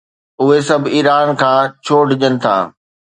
اهي سڀ ايران کان ڇو ڊڄن ٿا؟